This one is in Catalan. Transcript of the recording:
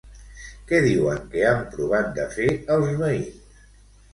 Què diuen que han provat de fer els veïns?